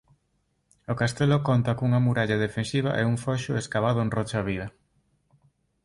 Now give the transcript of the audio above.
O castelo conta cunha muralla defensiva e un foxo escavado en rocha viva.